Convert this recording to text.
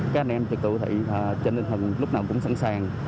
các anh em trực tụ thì trên linh hồn lúc nào cũng sẵn sàng